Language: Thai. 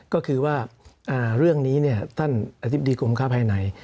ก็คือว่าเรื่องนี้ท่านอธิบดีกรมค้าภายใน